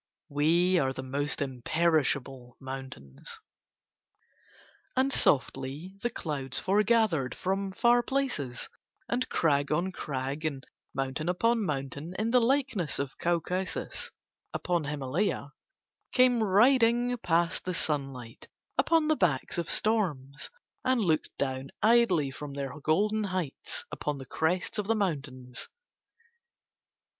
"We are the most imperishable mountains." And softly the clouds foregathered from far places, and crag on crag and mountain upon mountain in the likeness of Caucasus upon Himalaya came riding past the sunlight upon the backs of storms and looked down idly from their golden heights upon the crests of the mountains.